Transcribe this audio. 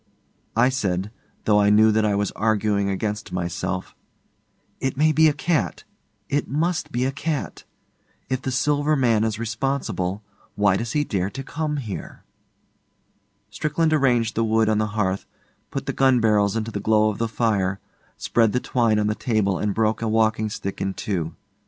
I said, though I knew that I was arguing against myself, 'It may be a cat. It must be a cat. If the Silver Man is responsible, why does he dare to come here?' Strickland arranged the wood on the hearth, put the gun barrels into the glow of the fire, spread the twine on the table and broke a walking stick in two.